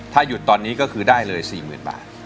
ถ้าหยุดตอนนี้ก็คือได้เลย๔๐๐๐บาท